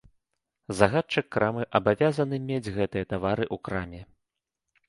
Загадчык крамы абавязаны мець гэтыя тавары ў краме.